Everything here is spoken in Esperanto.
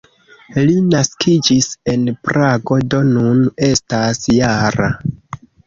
Li naskiĝis en Prago, do nun estas -jara.